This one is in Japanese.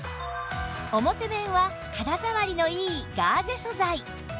表面は肌触りのいいガーゼ素材